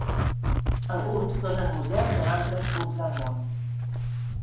Alguns són en museus en altres punts del món.